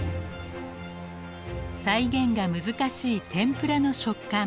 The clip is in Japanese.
再現が難しい天ぷらの食感。